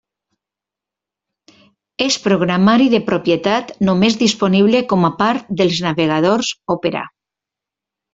És programari de propietat només disponible com a part dels navegadors Opera.